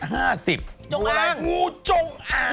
จงอ้างงูจงอ้าง